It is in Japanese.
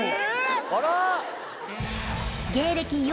・あら！